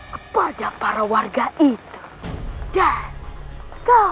sekarang yang terpenting